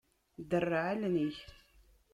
Derreɛ allen-ik.